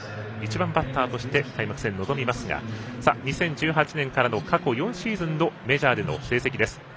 １番バッターとして開幕戦に臨みますが２０１８年からの過去４シーズンのメジャーでの成績です。